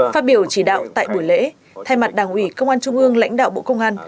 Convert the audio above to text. phát biểu chỉ đạo tại buổi lễ thay mặt đảng ủy công an trung ương lãnh đạo bộ công an